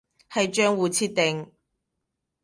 係賬戶設定